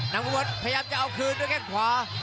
อุบลพยายามจะเอาคืนด้วยแข้งขวา